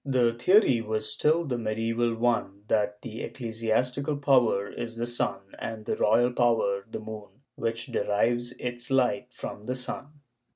The theory w^as still the medieval one — that the ecclesiastical power is the sun and the royal power the moon, which derives its light from the sun.